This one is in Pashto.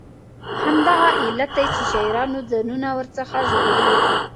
همدغه علت دی چې شاعرانو ځانونه ور څخه ژغورلي دي.